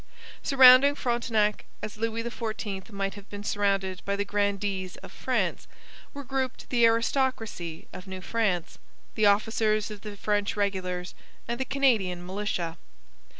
Surrounding Frontenac, as Louis XIV might have been surrounded by the grandees of France, were grouped the aristocracy of New France the officers of the French regulars and the Canadian militia.